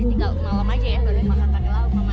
ini tinggal malam aja ya makanya makan pakai lauk mama ya